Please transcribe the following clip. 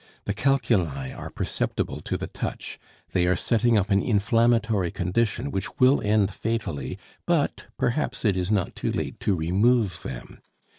The calculi are perceptible to the touch, they are setting up an inflammatory condition which will end fatally, but perhaps it is not too late to remove them.